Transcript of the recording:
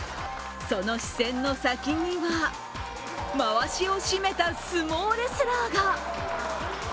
その視線の先にはまわしを締めた相撲レスラーが。